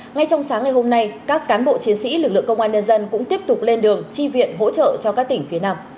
ngay trong sáng ngày hôm nay các cán bộ chiến sĩ lực lượng công an nhân dân cũng tiếp tục lên đường chi viện hỗ trợ cho các tỉnh phía nam